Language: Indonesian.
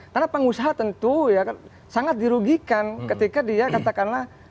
karena pengusaha tentu ya kan sangat dirugikan ketika dia katakanlah